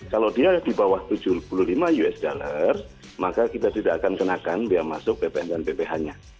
kalau dia di bawah tujuh puluh lima usd maka kita tidak akan kenakan biaya masuk ppn dan bph nya